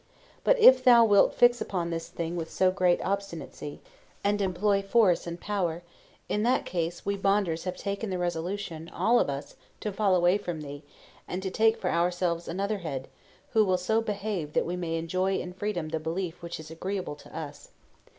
But if thou wilt fix upon this thing with so great obstinacy, and employ force and power, in that case, we Bonders have taken the resolution, all of us, to fall away from thee, and to take for ourselves another head, who will so behave that we may enjoy in freedom the belief which is agreeable to us.